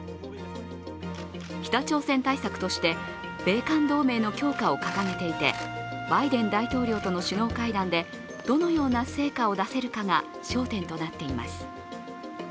北朝鮮対策として、米韓同盟の強化を掲げていてバイデン大統領との首脳会談でどのような成果が出せるかが焦点となっています。